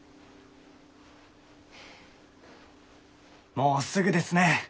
もうすぐですね。